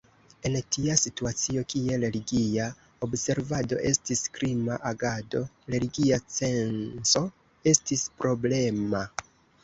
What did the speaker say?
En tia situacio, kie religia observado estis krima agado, religia censo estis problema.